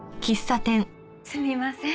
すみません